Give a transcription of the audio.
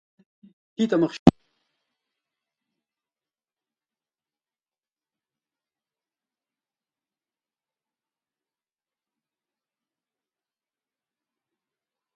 Hitt hà mr sch...